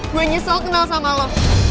gue nyesel kenal sama lo